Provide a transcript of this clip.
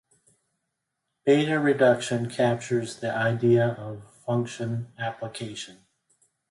Beta-reduction captures the idea of function application.